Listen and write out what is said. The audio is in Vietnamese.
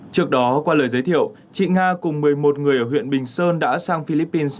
trước đó qua lời giới thiệu chị nga cùng một mươi một người ở huyện bình sơn đã sang philippines